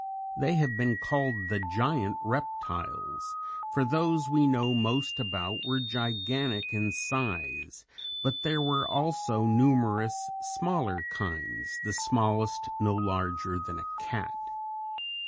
They have been called the Giant Reptiles, for those we know most about were gigantic in size, but there were also numerous smaller kinds, the smallest no larger than a cat.